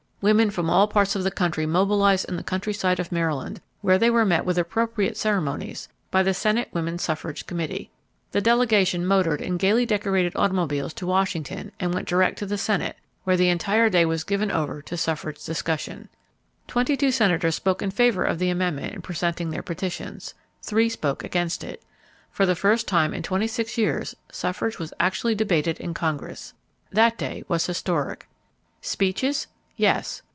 Women from all parts of the country mobilized in the countryside of Maryland where they were met with appropriate ceremonies by the Senate Woman Suffrage Committee. The delegation motored in gaily decorated automobiles to Washington and went direct to the Senate, where the entire day was given over to suffrage discussion. Twenty two senators spoke in favor of the amendment in presenting their petitions. Three spoke against it. For the first time in twenty six years suffrage was actually debated in Congress. That day was historic. Speeches? Yes.